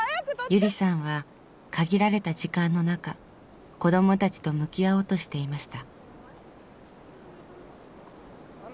ゆりさんは限られた時間の中子どもたちと向き合おうとしていました。